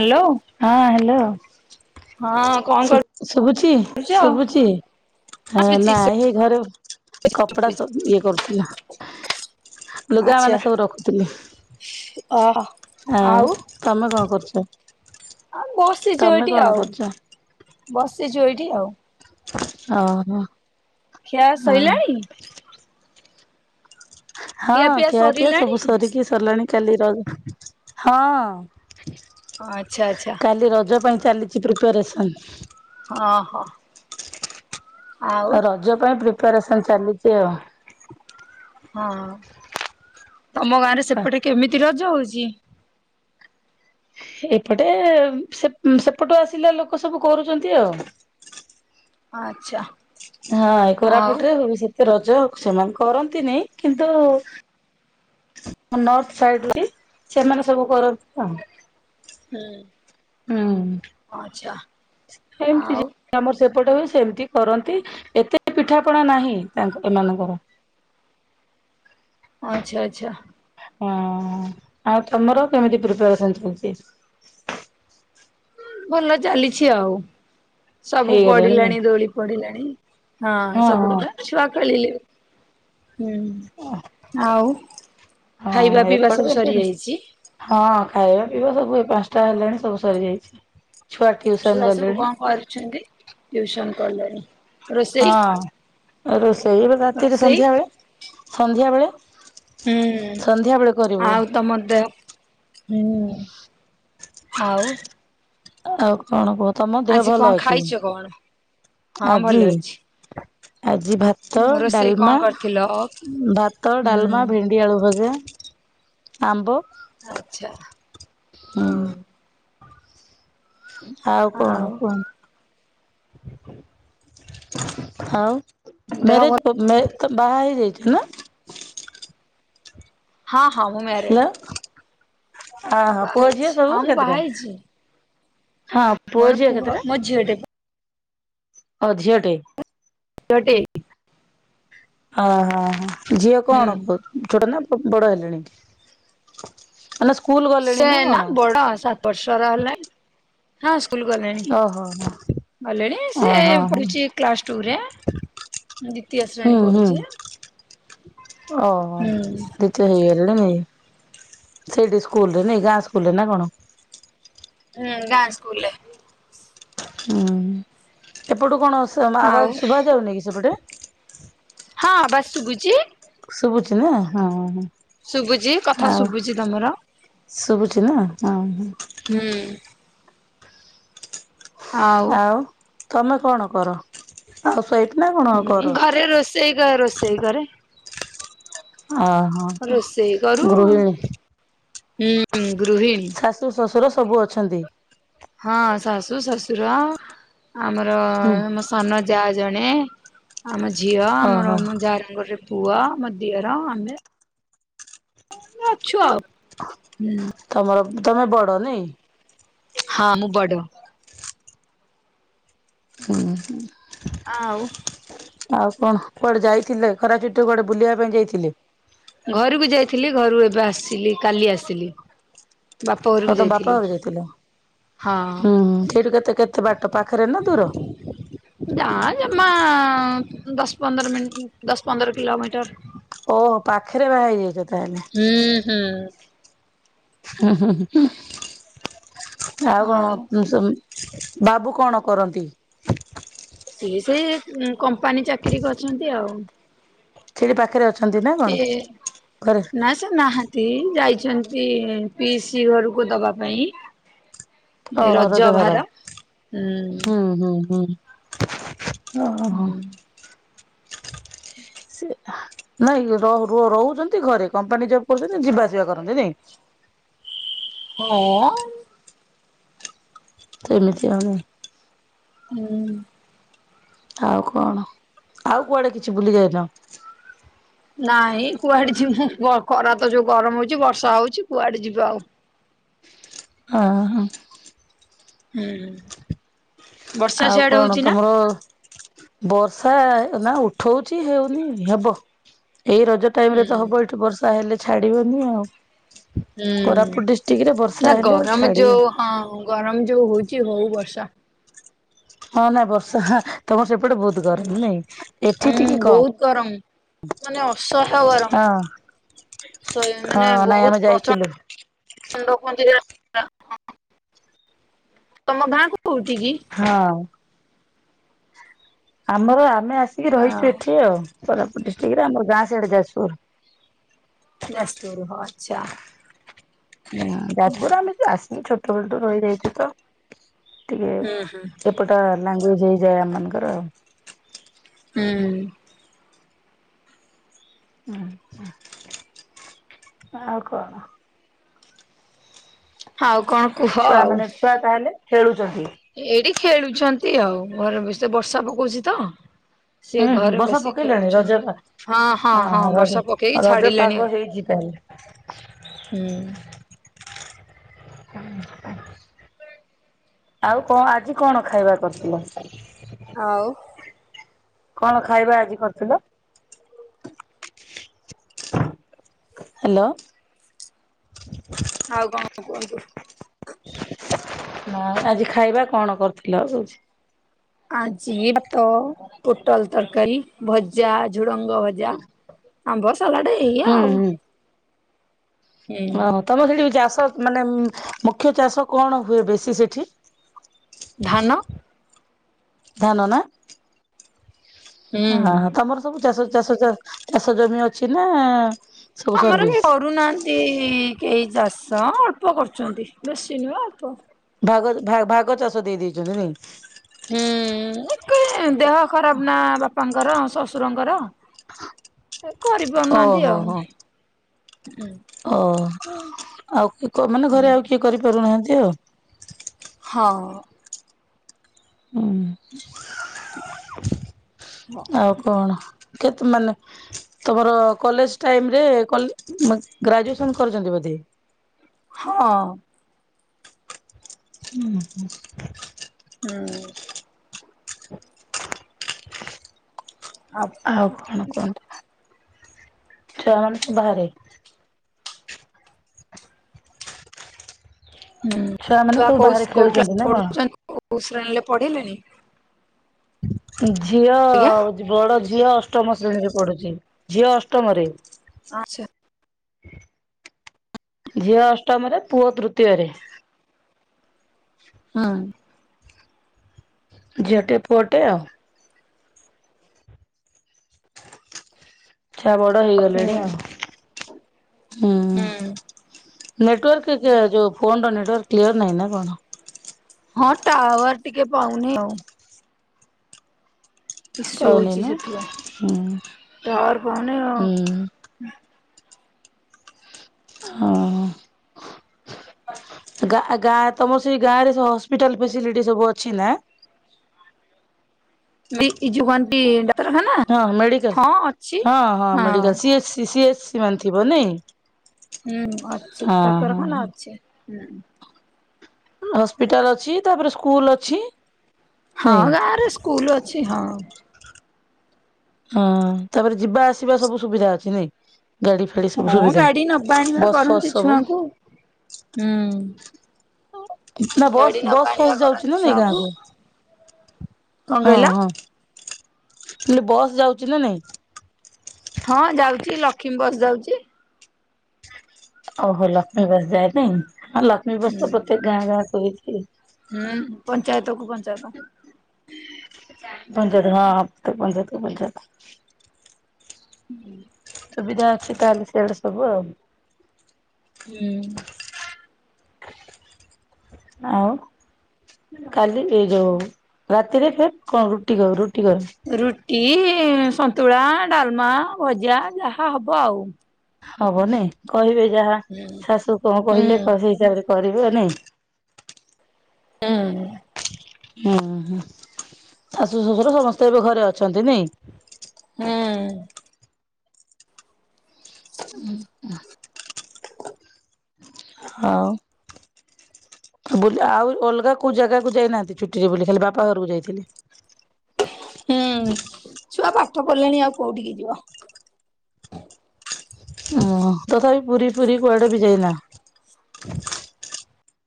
Hello. ହଁ hello. ହଁ କଣ ଶୁ ଶୁଭୁଛି କରୁଛ? ଶୁଭୁଛି? ହ ନାଇ ହେ ଘରେ କପଡା ସ ଇଏ କରୁଥିଲା। ଲୁଗା ମାନେ ସବୁ ରଖୁଥିଲେ। ଅହ। ଆଉ ତମେ କ କରୁଛ? ଆଉ ବସିଛୁ ତମେ ଏଇଠି କଣ ଆଉ କରୁଛ? ବସିଛୁ ଏଇଠି ଆଉ। ଓହ। ଖିଆ ଶଇଲାଣି? ହଁ ଖିଆ ପିଆ ସବୁ ସରିକି ସରିଲାଣି କାଲି ର ହଁ। ଅ ଆଚ୍ଛା ଆଚ୍ଛା। କାଲି ରଜ ପାଇଁ ଚାଲିଛି ପ୍ରିପାରେସନ। ହଁ ହୋ। ରଜ ପାଇଁ ପ୍ରିପାରେସନ ଚାଲିଛି ଆଉ। ହଁ ତମ ଗାଁ ରେ ସେପଟେ କେମିତି ରଜ ହଉଛି? ଏପଟେ ସେ ସେପଟୁ ଆସିଲା ଲୋକ ସବୁ କରୁଛନ୍ତି ଆଉ। ଆଚ୍ଛା। ହଁ ଏ ଆଉ କୋରାପୁଟରେ ହୁଏ ସେତେ ରଜ ସେମାନେ କରନ୍ତିନିଁ। କିନ୍ତୁ ନର୍ଥ ସାଇଡି ବି ସେମାନେ ସବୁ କରନ୍ତି ଆ। ହୁଁ ଆଛା। ହେମିତି ଯେମିତି ଆମର ସେପଟେ ହୁଏ ସେମତି କରନ୍ତି। ଏତେ ପିଠାପଣା ନାହିଁ ତାଙ୍କ ଏମାନଙ୍କର ଆଚ୍ଛା ଆଚ୍ଛା। ଓ ଆଉ ତମର କେମିତି ପ୍ରିପାରେସନ ଚାଲିଛି? ଭଲ ଚାଲିଛି ଆଉ ସବୁ ହେଇଗଲାଣି ନାଇଁ ପଡିଲାଣି ଦୋଳି ପଡିଲାଣି। ହଁ ସବୁ କଥା ଛୁଆ ଖେଳିଲେ ହୁଁ ଆଉ ଖାଇବା ହଁ ପିଇବା ଏପଟେ ସବୁ ଏମିତି ସରିଯାଇଛି? ହଁ ଖାଇବା ପିଇବା ସବୁ ଏ ପାଞ୍ଚଟା ହେଲାଣି ସବୁ ସରିଯାଇଛି। ଛୁଆ ଟିଉସନ ଛୁଆ ସବୁ ଗଲେଣି କଣ କରୁଛନ୍ତି? ଟିଉସନ କଲେଣି ରୋଷେଇ? ହଁ ରୋଷେଇ ରାତିରେ ରୋଷେଇ ସନ୍ଧ୍ୟା ବେଳେ ସନ୍ଧ୍ୟା ବେଳେ ହୁଁ ସନ୍ଧ୍ୟା ବେଳେ କରିବୁ। ଆଉ ତମ ଦେହ ହୁଁ ଆଉ ଆଉ କଣ କୁହ ତମ ଦେହ ଆଜି କଣ ଭଲ ଅଛି ଖାଇଛ କଣ? ହଁ ଭଲ ଆଜି? ଅଛି। ଆଜି ଭାତ ରୋଷେଇ କଣ ଡାଲମା କରିଥିଲ? ଭାତ ଡାଲମା ହୁଁ ଭେ ଣ୍ଡି ଆଳୁ ଭଜା ଆମ୍ବ ଆଚ୍ଛା ହୁଁ। ଆଉ କଣ କୁହ? ଆଉ ଦେହ ଭଲ ମ୍ୟାରେଜ [unintelligible] ତ ବାହା ହେଇଯାଇଛ ନା? ହଁ ହଁ ମୁଁ ମ୍ୟାରେଡ୍। ଅ ହୋ ପୁଅ ଝିଅ ସବୁ ହଁ ମୁଁ ବାହା କେତେଟା ହେଇଛି ହଁ ମୋର ଝିଅ ପୁଅ କେତେଟା ମୋ ଝିଅ ଟେ ହ ଝିଅ ଟେ। [unintelligible] ଟେ ଓହୋ ଝିଅ କଣ ହୁଁ କରୁ ଛୋଟ ନା ବଡ ହେଲେଣି? ଆଲା ସ୍କୁଲ ଗଲେଣି ସେ ନା କଣ ବଡ ସାତ ବର୍ଷର ହେଲେଣି ହଁ ସ୍କୁଲ ଗଲେଣି। ଓହୋ ଗଲେଣି ସେ ଓହୋ ହୋ ପଢୁଛି କ୍ଲାସ ଟୁ ରେ। ଦ୍ଵିତୀୟ ଶ୍ରେଣୀ ପଢୁଛି। ଓ ହୋ ହୁଁ ଦି ତ ହେଇଗଲେଣି ନାଇ ସେଇଠି ସ୍କୁଲ ରେ ନାଇ ଗାଁ ସ୍କୁଲରେ ନା କଣ? ହୁଁ ଗାଁ ସ୍କୁଲରେ। ହୁଁ ଏପଟୁ କଣ ଆଉ ଆବାଜ୍ ଶୁଭା ଯାଉନି କି ସେପଟେ? ହଁ ଆବାସ୍ ଶୁଭୁଛି। ଶୁଭୁଛି ନା ହଁ। ଶୁଭୁଛି କଥା ଆଉ ଶୁଭୁଛି ତମର ଶୁଭୁଛି ନା ହଁ। ହୁଁ। ଆଉ ତମେ କଣ କର ଆଉ [inaudible] କଣ କର? ସେଇ ଘରେ ରୋଷେଇ କରେ। ଓ ହୋ ରୋଷେଇ କରୁ ଗୃହିଣୀ। ହୁଁ ଗୃହିଣୀ। ଶାଶୁ ଶ୍ୱଶୁର ସବୁ ଅଛନ୍ତି? ହଁ ଶାଶୁ ଶଶୁର ଆମର ହୁଁ ମୋ ସାନ ଯା ଜଣେ ଆମ ଝିଅ ଓହୋ ଆମର ଯାଆ‌ ଙ୍କର ପୁଅ ମୋ ଦିଅର ଆମେ ଅଛୁ ଆଉ ହୁଁ। ତମର ତମେ ବଡ ନାଇ? ହଁ ମୁଁ ବଡ। [inaudible] ଆଉ ଆଉ କଣ କୁଆଡେ ଯାଇଥିଲେ ଖରା ଛୁଟି କୁଆଡେ ବୁଲିବା ପାଇଁ ଯାଇଥିଲେ। ଘରକୁ ଯାଇଥିଲି ଘରୁ ଏବେ ଆସିଲି କାଲି ଆସିଲି। ବାପ ଘରକୁ ତଁ ତମ ଯାଇଥିଲୁ। ବାପା ଘରୁ ଯାଇଥିଲ। ହଁ ହୁଁ ସେଇଠୁ କେତେ କେତେ ବାଟ ପାଖରେ ନା ଦୂର। ଯା ଜମା ଦଶ ପନ୍ଦର ମିିନିଟ ଦଶ ପନ୍ଦର କିଲୋମିଟର। ଓହୋ ପାଖରେ ବାହା ହେଇଯାଇଛ ତାହେଲେ। ହୁଁ ହୁଁ। ହୁଁ ହୁଁ ଆଉ କଣ। ବାବୁ କଣ କରନ୍ତି। ସିଏ ସେ କମ୍ପାନୀ ଚାକିରୀ ଅଛନ୍ତି ଆଉ। ସେଠି ପାଖରେ ଅଛନ୍ତି ନା କଣ ଏ ଘରେ? ନା। ସେ ନାହାନ୍ତି ଯାଇଛନ୍ତି ପିସି ଘରକୁ ଦବା ପାଇଁ। ଓହୋ ରଜ ରୋଜଗାର ଭାର ହୁଁ। ହୁଁ ହୁଁ ହୁଁ ଓ ହୋ। ସେ ନାଇଁ ରହୁଛନ୍ତି ଘରେ କମ୍ପାନୀ ଜବ୍ କରୁଛନ୍ତି ଯିବା ଆସିବା କରନ୍ତି ନାଇଁ। ହଁ। ସେମିତି ଆମେ। ହୁଁ। ଆଉ କଣ ଆଉ କୁଆଡେ କିଛି ବୁଲି ଯାଇନ। ନାଇଁ କୁଆଡେ ଯିବୁ ଖରା ତ ଯୋଉ ଗରମ ହଉଛି ବର୍ଷା ହଉଛି କୁଆଡେ ଯିବୁ ଆଉ। ହଁ ହ। ହୁଁ ହୁଁ। ଆଉ କଣ ତମର। ବର୍ଷା ନା ଉଠଉଛି ହେଉନି ହେବ ଏଇ ରଜ। ଟାଇମ ହୁଁ ରେ ତ ହବ ଏଇଠି ବର୍ଷା ହେଲେ ଛାଡିବନି ଆଉ। ହୁଁ। କୋରାପୁଟ ଡିଷ୍ଟ୍ରିକ୍ଟ ରେ ନା ବର୍ଷା ହେଲେ ଆଉ ଗରମ ଛାଡିବ। ଯୋଉ ହଁ ଗରମ ଯୋଉ ହଉଛି ହଉ ବର୍ଷା। ହଁ ନାଇଁ ବର୍ଷା ତମର ସେପଟେ ବହୁତ ଗରମ ନାଇଁ ଏଠି ହୁଁ ଟିକେ ବହୁତ ଗରମ କମ୍। ମାନେ ଅସହ୍ୟ ଗରମ। ହଁ ହଁ ନାଇଁ ଆମେ ଯାଇଥିଲୁ। ରଖନ୍ତି। ତମ ଗାଁ କ କୋଉଠି କି। ହଁ। ଆମର ଆମେ ଆସିକି ହଁ ରହିଛୁ ଏଠି ଆଉ କୋରାପୁଟ ଡିଷ୍ଟ୍ରିକ ରେ ଆମର ଗାଁ ସିଆଡେ ଯାଜପୁର। ହ ଆଚ୍ଛା। ହଁ ଯାଜପରୁ ଆମେ ଆସିନି ଛୋଟବେଳୁ ରହିଯାଇଛୁ ତ ଟିକେ। ହୁଁ ହୁଁ। ପଟା ଲାଙ୍ଗୁଏଜ ହେଇଯାଏ ଆମଙ୍କରଉ। ହୁଁ। ହଁ ଆଉ କହ। ଆଉ କଣ କୁହ ଆଉ। ତାଲେ ଖେଳୁଛନ୍ତି। ଏଇଠି ଖେଳୁଛନ୍ତି ଆଉ ଘରେ ବ ସେ ବର୍ଷା ପକଉଛି ତ ସେ ହୁଁ ଘରେ ବର୍ଷା ବସିିକି ପକେଇଲାଣି ଖେଳୁଛନ୍ତି ରଜ ହଁ ହଁ ହଁ ଓହୋ ରଜ ବର୍ଷା ପକେଇକି ରଜ ଛାଡିଲାଣି ପାଗ ଆଉ। ହେଇଛି ତାହେଲେ ହୁଁ। ହ। ଆଉ କଣ ଆଜି କଣ ଖାଇବା କରିଥିଲ। ଆଉ। କଣ ଖାଇବା ଆଜି କରିୁଥିଲ। ହ୍ୟାଲୋ। ଆଉ କଣ କୁହନ୍ତୁ। ହ ଆଜି ଖାଇବା କଣ କରୁଥିଲ କହୁଛି। ଆଜି ଭାତ ପୋଟଳ ତରକାରୀ। ଭଜା ଝୁଡଙ୍ଗ ଭଜା ଆମ୍ବ ସାଲାଟ ଏଇଆ ଆଉ। ହୁଁ ଓ ହୋ ତମର ସେଠି ଚାଷ ମାନେ ମୁଖ୍ୟ ଚାଷ କଣ ହୁଏ ବେଶୀ ସେଠି? ଧାନ ଧାନ ନା ହ ହଁ ହୁଁ। ହଁ ତମର ସବୁ ଚାଷ ଚାଷ ଚାଷ ଜମି ଅଛି ନା? ସବୁ ଆମର ବି ସର୍ଭିସ କରୁନାହାନ୍ତି। ଏତି କେହି ଚାଷ ଅଳ୍ପ କରୁଛନ୍ତି ବେଶୀ ନୁହେଁ ଅଳ୍ପ। ଭାଗ ଭାଗ ଚାଷ ଦେଇ ଦେଇଛନ୍ତି ନାଇଁ। ହୁଁ ଦେହ ଖରାପ ନା ବାପାଙ୍କର ଶଶୁରଙ୍କର। କରି ପାରୁନାହାନ୍ତି ଓହୋ ଆଉ ହୋ ହୁଁ। ଓ ଆଉ ମାନେ ଘରେ ଆଉ କିଏ କରିପାରୁନାହାନ୍ତି ଆଉ। ହଁ ହୁଁ। ହ। ଆଉ କଣ କେତେ ମାନେ? ତମର କଲେଜ ଟାଇମରେ କଲି ଗ୍ରାଜୁଏସନ କରିଛନ୍ତି ବୋଧେ। ହଁ ହୁଁ ଆ ଆଉ କଣ କୁହନ୍ତୁ ଛୁଆମାନେ ସବୁ ବାହାରେ। ହୁଁ ମାନେ ଛୁଆ ସବୁ କୋଉ ବାହାରେ କୋଉ ଖେଳୁଛନ୍ତି କ୍ଲାସ୍ ନା କଣ? ପଢୁଛନ୍ତି କୋଉ ଶ୍ରେଣୀରେ ପଢିଲେଣିି? ଝିଅ ଆଜ୍ଞା ବଡ ଝିଅ ଅଷ୍ଟମ ଶ୍ରେଣୀରେ ପଢୁଛି ଝିଅ ଅଷ୍ଟମରେ। ଆଛା ଝିଅ ଅଷ୍ଟମରେ ପୁଅ ତୃତୀୟରେ। ହୁଁ ଝିଅଟେ ପୁଅଟେ ଆଉ। ଛୁଆ ବଡ ହେଇଗଲେଣି ହୁଁ ଆଉ। ହୁଁ ନେଟୱାର୍କ ଯୋଉ ଫୋନର ନେଟୱାର୍କ କ୍ଲିୟର ନାହିଁ ନା କଣ? ହଁ ଟାୱାର ଟିକେ ପାଉନି ଆଉ। ଇସୁ ପାଉନି ହେଉଛି ନା? ସେଥିପାଇଁ ହୁଁ ଟାୱାର ପାଉନି ଆଉ। ହୁଁ ହ ଗା ଗା ତମର ସେଇ ଗାଁ ରେ ହସ୍ପିଟାଲ ଫେସିଲିଟି ସବୁ ଅଛି ନା। ବି ଏଇ ଯୋଉ କଣଟି। ହଁ ମେଡିକାଲ୍ ହଁ ହଁ ମେଡିକାଲ୍ ସିଏ ସିଏସି ମାନ ଥିବ ନାଇଁ। ହୁଁ ଅଛି ହଁ ହଁ। ଡାକ୍ତରଖାନା ଅଛି ହୁଁ। ହସ୍ପିଟାଲ ଅଛି ତାପରେ ସ୍କୁଲ ଅଛି। ହଁ ନାଇଁ ଗାଁରେ ସ୍କୁଲ ଅଛି ହଁ। ହଁ ତାପରେ ଯିବା ଆସିବା ସବୁ ସୁବିଧା ଅଛି ନାଇଁ ଗାଡି ଫାଡି ସବୁ ହଁ ସୁବିଧା ଗାଡି ନବା ଆଣିବା ବସ୍ ଫସ୍ କରନ୍ତି ସବୁ ଛୁଆଙ୍କୁ ହୁଁ। ନା ବସ୍ ଗାଡି ନବା ବସ୍ ଆଣିବା ଫସ୍ କରନ୍ତି ଯାଉଛି ନା ନାଇଁ ଛୁଆଙ୍କୁ ଗାଁକୁ। କଣ ହଁ କହିଲ? ହଁ ମୁଁ କହିଲି ବସ୍ ଯାଉଛି ନା ନାଇଁ? ହଁ ଯାଉଛି ଲକ୍ଷ୍ମୀ ବସ୍ ଯାଉଛି। ଓହୋ ଲକ୍ଷ୍ମୀ ବସ୍ ଯାଏ ନାଇଁ ହଁ ଲକ୍ଷ୍ମୀ ବସ୍ ହୁଁ। ତ ପ୍ରତ୍ୟେକ ଗାଁ ଗାଁ ହେଇଛି। ହୁଁ ପଞ୍ଚାୟତ କୁ ପଞ୍ଚାୟତ। ପଞ୍ଚାୟତ ହଁ ହଁ ପଞ୍ଚାୟତକୁ ପଞ୍ଚାୟତ। ହୁଁ [inaudible] ସୁବିଧା ଅଛି ତାହେଲେ ସିଆଡେ ସବୁ ଆଉ। ହୁଁ ଆଉ। କାଲି ଏଇ ଯୋଉଁ ରାତିରେ ଫେର କଣ ରୁଟି କ, ରୁଟି କ ରୁଟି, ସନ୍ତୁଳା, ଡାଲମା, ଭଜା ଯାହା ହେବ ଆଉ ହବ ନାଇଁ କହିବେ ଯାହା ହୁଁ ଶାଶୁ କଣ କହିଲେ ହୁଁ ସେଇ ହିସାବରେ କରିବେ ନାଇଁ। ହୁଁ ହୁଁ ହୁଁ ଶାଶୁ ଶଶୁର ସମସ୍ତେ ଏବେ ଘରେ ଅଛନ୍ତି। ନାଇଁ ହୁଁ ହୁଁ ହ [inaudible] ହ [inaudible] ହଉ ଆଉ ଅଲଗା କୋଉ ଜାଗାକୁ ଯାଇନାହାଁନ୍ତି ଛୁଟିରେ। ବୁଲି ଖାଲି ବାପା ଘରକୁ ଯାଇଥିଲେ। ହୁଁ ଛୁଆ ପାଠ ପଢିଲେଣି ଆଉ କୋଉଠିକି ଯିବ। ଓହ ତଥାପି ପୁରୀ ପୁରୀ କୁଆଡେ ବି ଯାଇନା।